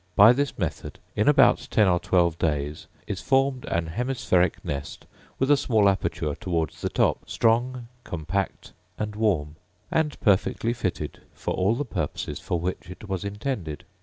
By this method in about ten or twelve days is formed an hemispheric nest with a small aperture towards the top, strong, compact, and warm; and perfectly fitted for all the purposes for which it was intended.